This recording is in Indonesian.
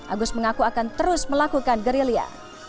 agus mengaku akan terus melakukan gerilya